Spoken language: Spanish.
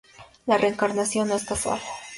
La reencarnación no es casual.